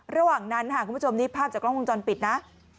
ระหว่างนั้นค่ะคุณผู้ชมนี่ภาพจากกล้องวงจรปิดนะ